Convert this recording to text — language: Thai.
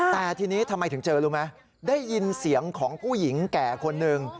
แต่ทีนี้ทำไมถึงเจอรู้ไหมได้ยินเสียงของผู้หญิงแก่คนหนึ่ง